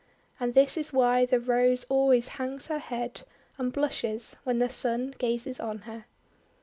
And this is why the Rose always hangs her head and blushes when the Sun gazes on her.